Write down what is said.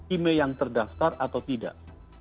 email yang terdaftar atau tidak